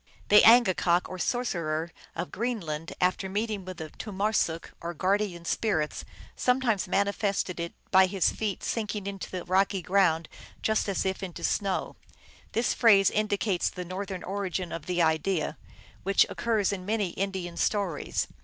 " The angakok" or sorcerer of Greenland, " after meeting with tomarsuk, or guardian spirits, sometimes manifested it by his feet sinking into the rocky ground fust as if into snoiv." (Rink.) This phrase indicates the Northern origin of the idea, which occurs in many Indian stories.